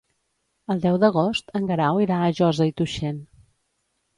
El deu d'agost en Guerau irà a Josa i Tuixén.